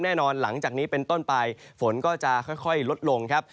หลังจากนี้เป็นต้นไปฝนก็จะค่อยลดลงครับ